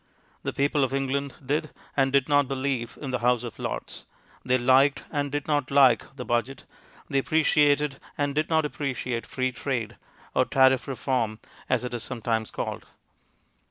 The people of England did and did not believe in the House of Lords ; they liked and did not like the Budget ; they appreciated and did not ap preciate Free Trade, or Tariff Reform, as it is sometimes called.